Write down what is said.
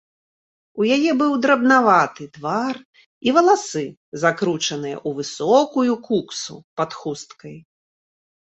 У яе быў драбнаваты твар і валасы, закручаныя ў высокую куксу пад хусткай.